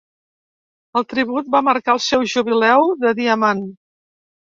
El tribut va marcar el seu Jubileu de diamant.